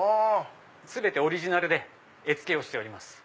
全てオリジナルで絵付けをしております。